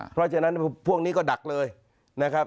เพราะฉะนั้นพวกนี้ก็ดักเลยนะครับ